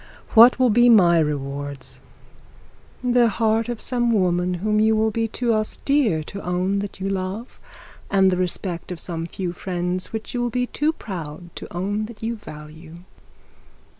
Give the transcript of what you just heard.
'What will be my rewards?' 'The heart of some woman whom you will be too austere to own that you love, and the respect of some few friends which you will be too proud to own that you value.'